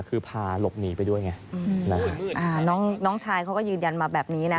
คือพาหลกหนีไปด้วยไงน้องชายเขาก็ยืนยันมาแบบนี้นะ